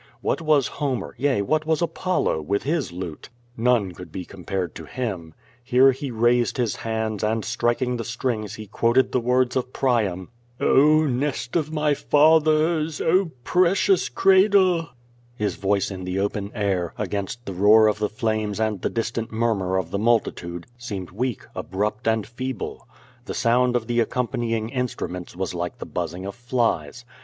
What wa? Homer, yea, what was Apollo, with his lute? None could be compared to him. Here he raised his hands and striking the strings he quoted the words of Priam: * Oh nest of my fathers. Oh precious cradle!" His voice in the open air, against the roar of the flames and the distant murmur of the multitude, seemed weak, ab rupt, and feeble. The sound of Ihe accompanying instruments was like the buzzing of flies.